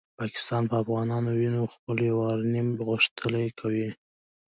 پاکستان په افغانانو وینو خپل یورانیوم غښتلی کاوه.